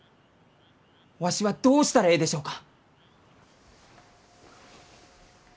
わしはどうしたらえいでしょうか？